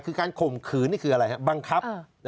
คือการข่มขืนนี่คืออะไรครับบังคับ